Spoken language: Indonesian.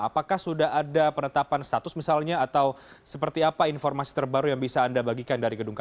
apakah sudah ada penetapan status misalnya atau seperti apa informasi terbaru yang bisa anda bagikan dari gedung kpk